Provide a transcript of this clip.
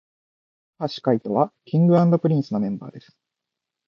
髙橋海人は King & Prince のメンバーです